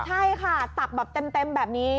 ใช่ค่ะตักแบบเต็มแบบนี้